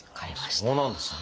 そうなんですね。